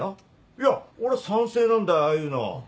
いや俺は賛成なんだよああいうの。